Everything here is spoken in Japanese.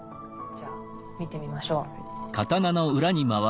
じゃあ見てみましょう。